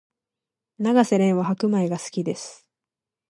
永瀬廉は白米が好きです